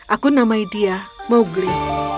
aku namai dia mowgli